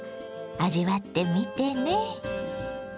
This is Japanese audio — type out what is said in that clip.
味わってみてね。